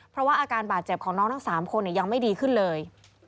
เพราะว่าอาการบาดเจ็บของน้องทั้ง๓คนยังไม่ดีขึ้นเลย